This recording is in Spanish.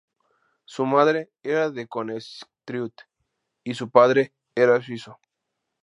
Su madre era de Connecticut y su padre era suizo.